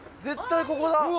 絶対ここだ。